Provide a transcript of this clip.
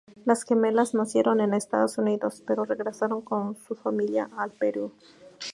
Las gemelas nacieron en Estados Unidos, pero regresaron con su familia al Perú.